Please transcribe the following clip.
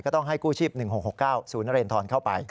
ต้องให้กู้ชีพ๑๖๖๙ศูนย์นเรนทรเข้าไป